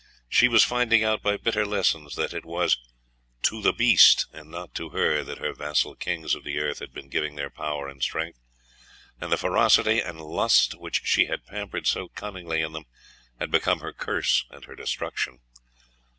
She was finding out by bitter lessons that it was 'to the beast', and not to her, that her vassal kings of the earth had been giving their power and strength; and the ferocity and lust which she had pampered so cunningly in them, had become her curse and her destruction....